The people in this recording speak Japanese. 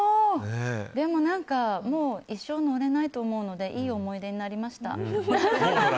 でも一生乗れないと思うのでいい思い出になりました。